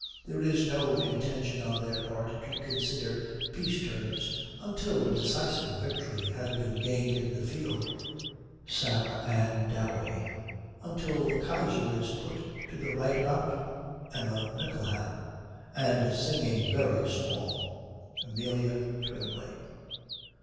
There is no intention on their part to consider peace terms until a decisive victory has been gained in the field (Sarah Ann Dowey), until the Kaiser is put to the right about (Emma Mickleham), and singing very small (Amelia Twymley).